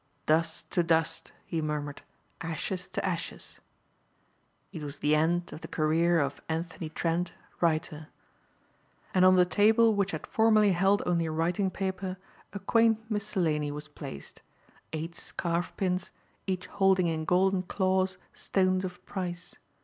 "Dust to dust," he murmured, "ashes to ashes!" It was the end of the career of Anthony Trent, writer. And on the table which had formerly held only writing paper a quaint miscellany was placed. Eight scarf pins, each holding in golden claws stones of price.